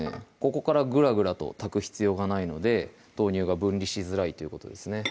ここからグラグラと炊く必要がないので豆乳が分離しづらいということですね